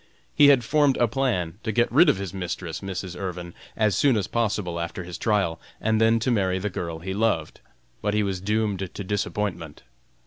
He had formed a plan to get rid of his mistress, Mrs. Irvin, as soon as possible after his trial, and then to marry the girl he loved, but he was doomed to disappointment.